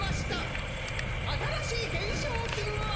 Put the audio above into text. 新しい懸賞金は」。